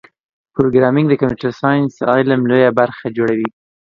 پروګرامېنګ د کمپیوټر ساینس علم لویه برخه جوړوي.